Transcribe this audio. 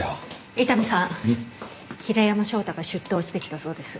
伊丹さん平山翔太が出頭してきたそうです。